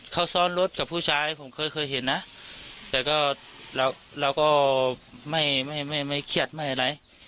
เขาซ้อนรถกับผู้ชายผมเคยเคยเห็นนะแต่ก็เราก็ไม่ไม่เครียดไม่อะไร